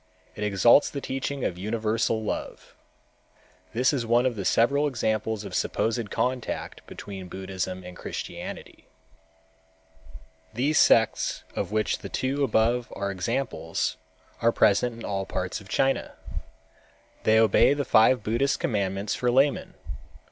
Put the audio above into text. It exalts the teaching of universal love. This is one of several examples of a supposed contact between Buddhism and Christianity. These sects of which the two above are examples are present in all parts of China. They obey the five Buddhist commandments for laymen.